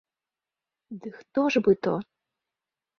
Ды хто ж бы то?